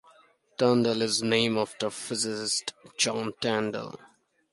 Tyndall is named after physicist John Tyndall.